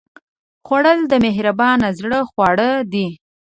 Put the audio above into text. خوړل د مهربان زړه خواړه دي